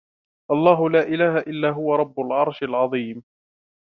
الله لا إله إلا هو رب العرش العظيم